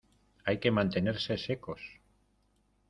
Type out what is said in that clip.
hay que mantenerse secos ;